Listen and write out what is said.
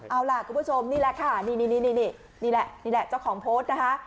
เอาล่ะคุณผู้ชมนี่แหละค่ะนี่นี่แหละนี่แหละเจ้าของโพสต์นะคะ